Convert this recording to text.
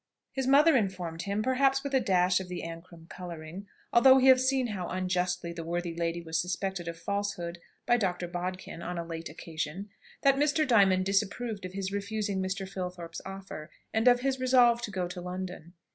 His mother informed him perhaps with a dash of the Ancram colouring; although we have seen how unjustly the worthy lady was suspected of falsehood by Dr. Bodkin on a late occasion that Mr. Diamond disapproved of his refusing Mr. Filthorpe's offer, and of his resolve to go to London.